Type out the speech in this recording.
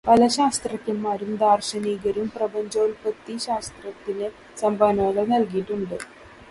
പല ശാസ്ത്രജ്ഞന്മാരും ദാർശനികരും പ്രപഞ്ചോല്പത്തിശാസ്ത്രത്തിന് സംഭാവനകൾ നൽകിയിട്ടുണ്ട്.